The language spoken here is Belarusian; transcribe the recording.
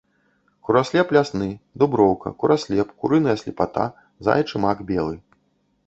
Кураслеп лясны, дуброўка, кураслеп, курыная слепата, заячы мак белы.